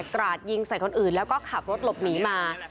กราดยิงใส่คนอื่นแล้วก็ขับรถหลบหนีมา